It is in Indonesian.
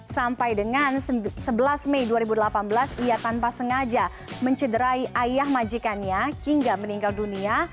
sampai dengan sebelas mei dua ribu delapan belas ia tanpa sengaja mencederai ayah majikannya hingga meninggal dunia